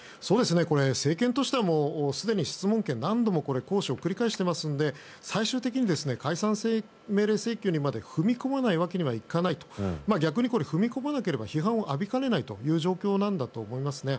これ、政権としてはすでに質問権、何度も行使を繰り返していますので最終的に解散命令請求にまで踏み込まないわけにはいかないと逆に踏み込まなければ批判を浴びかねないという状況なんだと思いますね。